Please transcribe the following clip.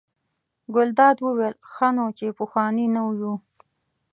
ګلداد وویل: ښه نو چې پخواني نه یو.